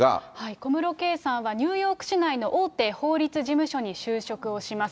小室圭さんはニューヨーク市内の大手法律事務所に就職をします。